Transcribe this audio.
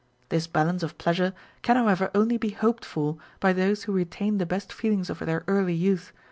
This balance of pleasure can however only he hoped for by those who retain the best fe . lings of their early youth.